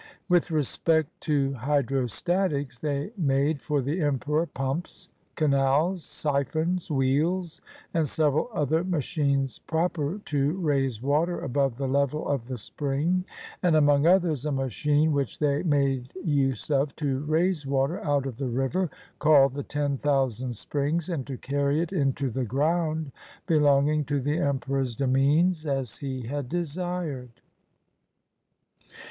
With respect to hydrostatics, they made for the em peror pumps, canals, siphons, wheels, and several other machines proper to raise water above the level of the spring; and among others, a machine which they made use of to raise water out of the river, called the ten thou sand springs, and to carry it into the ground belonging to the emperor's demesnes, as he had desired.